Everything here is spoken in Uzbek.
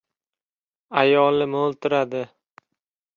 Ayoli mo‘ltiradi.